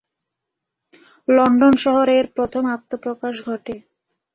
London শহরে এর প্রথম আত্মপ্রকাশ ঘটে।